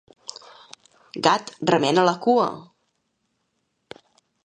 Gat, remena la cua!